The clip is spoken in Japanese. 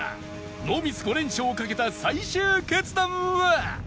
ノーミス５連勝をかけた最終決断は？